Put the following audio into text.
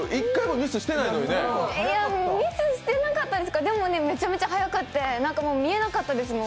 ミスしてなかったですけどでもめちゃめちゃ速くて、見えなかったですもん。